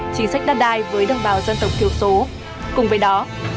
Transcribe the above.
chính sách đất đai với đồng bào dân tộc thiếu số